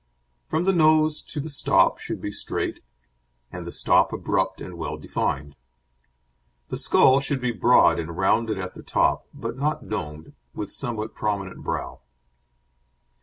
From the nose to the stop should be straight, and the stop abrupt and well defined. The skull should be broad and rounded at the top, but not domed, with somewhat prominent brow.